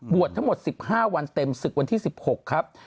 ทั้งหมด๑๕วันเต็มศึกวันที่๑๖ครับ